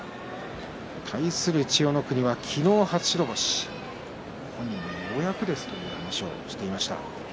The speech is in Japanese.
対する千代の国は昨日、初白星本人もようやくですという話をしていました。